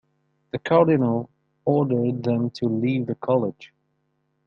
The cardinal ordered them to leave the college.